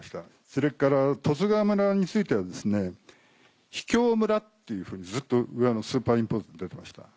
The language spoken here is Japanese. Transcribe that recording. それから十津川村については「秘境村」っていうふうにずっと上のスーパーインポーズに出てました。